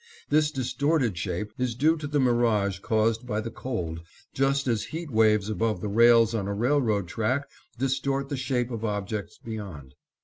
This distorted shape is due to the mirage caused by the cold, just as heat waves above the rails on a railroad track distort the shape of objects beyond.